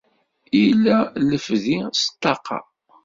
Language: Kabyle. Yella lefdi s ṭṭaqa!